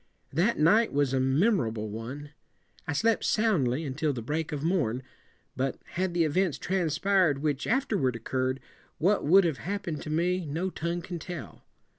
That night was a me mor able one. I slept soundly until the break of morn, but had the events transpired which afterward occur red, what would have hap pen ed to me no tongue can tell.